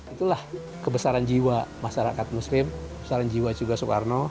itulah kebesaran jiwa masyarakat muslim kebesaran jiwa juga soekarno